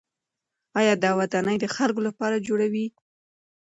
آیا دا ودانۍ د خلکو لپاره جوړې وې؟